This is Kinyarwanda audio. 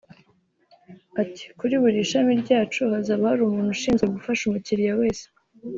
Ati “Kuri buri shami ryacu hazaba hari umuntu ushinzwe gufasha umukiriya wese